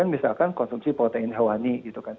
misalkan konsumsi protein hewani gitu kan